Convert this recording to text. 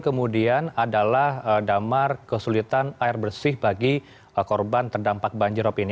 kemudian adalah damar kesulitan air bersih bagi korban terdampak banjirop ini